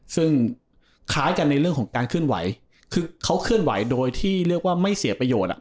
ซึ่งคล้ายกันในเรื่องของการเคลื่อนไหวคือเขาเคลื่อนไหวโดยที่เรียกว่าไม่เสียประโยชน์